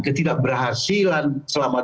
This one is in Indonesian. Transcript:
ketidakberhasilan selama dua puluh tahun